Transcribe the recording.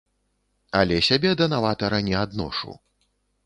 Але сябе да наватара не адношу.